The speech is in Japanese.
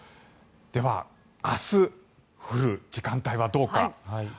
では明日、降る時間帯はどうか。